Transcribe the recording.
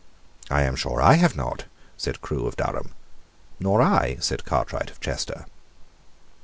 "I am sure I have not," said Crewe of Durham. "Nor I," said Cartwright of Chester.